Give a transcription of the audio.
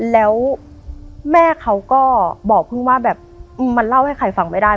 แล้วแม่เขาก็บอกพึ่งว่าแบบมันเล่าให้ใครฟังไม่ได้